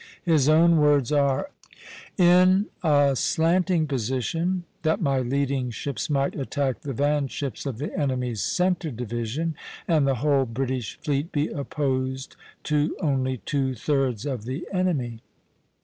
His own words are: "In a slanting position, that my leading ships might attack the van ships of the enemy's centre division, and the whole British fleet be opposed to only two thirds of the enemy" (B, B).